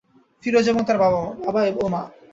ফিরোজ এবং তার বাবা ও মা।